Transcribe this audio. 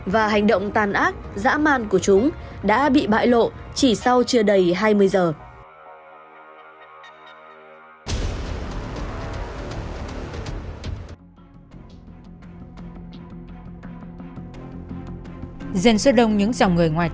và hành động tàn ác dã man của chúng đã bị bại lộ chỉ sau chưa đầy hai mươi giờ